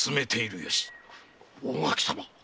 大垣様